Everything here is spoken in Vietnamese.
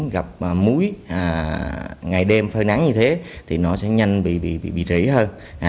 gặp múi ngày đêm phơi nắng như thế thì nó sẽ nhanh bị rỉ hơn